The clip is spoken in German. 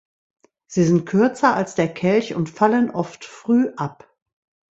Sie sind kürzer als der Kelch und fallen oft früh ab.